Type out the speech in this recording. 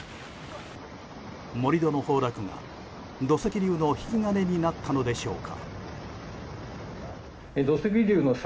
盛り土の崩落が土石流の引き金になったのでしょうか。